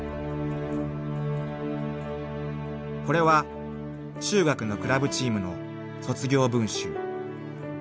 ［これは中学のクラブチームの］